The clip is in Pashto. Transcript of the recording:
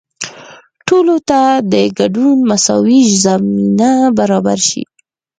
ټولو ته د ګډون مساوي زمینه برابره شي.